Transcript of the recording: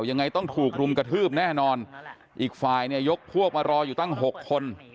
ยังไงต้องถูกรุมกระทืบแน่นอนอีกฝ่ายเนี่ยยกพวกมารออยู่ตั้งหกคน